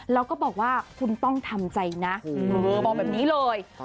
แล้วก็บอกว่าคุณต้องทำใจนะบอกแบบนี้เลย